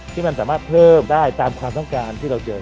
ที่มันสามารถเพิ่มได้ตามความต้องการที่เราเจอ